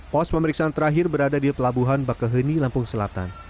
pos pemeriksaan terakhir berada di pelabuhan bakaheni lampung selatan